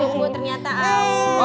bu ternyata awus